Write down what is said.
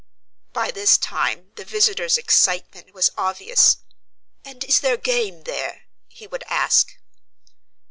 By this time the visitor's excitement was obvious. "And is there game there?" he would ask.